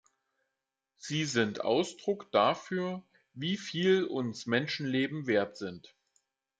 Sie sind Ausdruck dafür, wie viel uns Menschenleben wert sind.